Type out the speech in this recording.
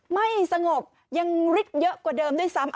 ไม่สงบยังฤทธิ์เยอะกว่าเดิมด้วยซ้ำ